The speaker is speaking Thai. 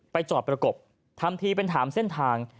จอดประกบทำทีเป็นถามเส้นทาง